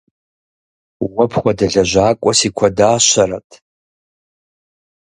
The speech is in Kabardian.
Уэ пхуэдэ лэжьакӀуэ си куэдащэрэт.